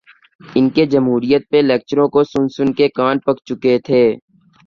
ان کے جمہوریت پہ لیکچروں کو سن سن کے کان پک چکے تھے۔